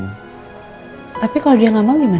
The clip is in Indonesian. karena kita punya perjanjian hitam di atas putih